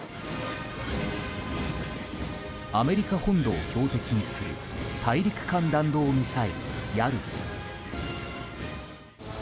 アメリカ本土を標的にする大陸間弾道ミサイル、ヤルス。